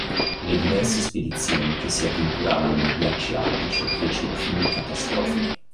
Le diverse spedizioni che si avventuravano nei ghiacci artici fecero fini catastrofiche.